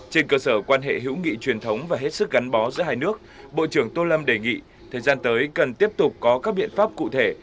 trên cơ sở quan hệ hữu nghị truyền thống và hết sức gắn bó giữa hai nước bộ trưởng tô lâm đề nghị thời gian tới cần tiếp tục có các biện pháp cụ thể